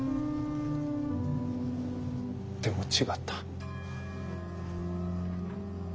でも違った。